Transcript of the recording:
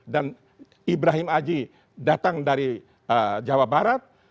dan ibrahim aji datang dari jawa barat